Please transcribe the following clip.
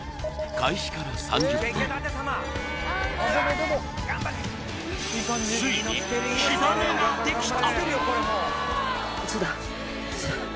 開始から３０分ついに火種ができた